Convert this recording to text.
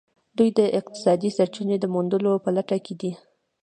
دوی د اقتصادي سرچینو د موندلو په لټه کې دي